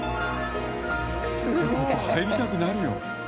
ここ入りたくなるよ。